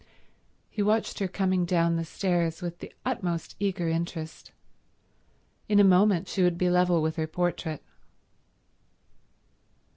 He watched her coming down the stairs with the utmost eager interest. In a moment she would be level with her portrait.